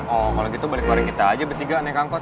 oh kalau gitu balik balik kita aja bertiga naik angkot